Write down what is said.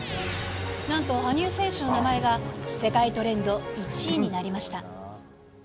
なんと羽生選手の名前が、世界トレンド１位になりました。